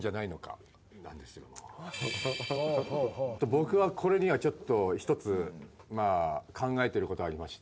僕はこれにはちょっと１つ考えてることありまして。